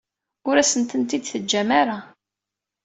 Ur asent-tent-id-teǧǧam ara.